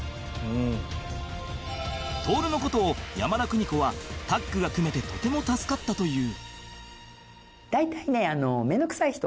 徹の事を山田邦子はタッグが組めてとても助かったという